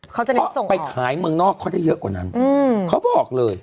เขาจะได้ไปขายเมืองนอกเขาได้เยอะกว่านั้นเขาบอกเลย